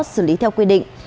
xử lý theo quy định